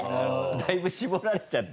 だいぶ絞られちゃって。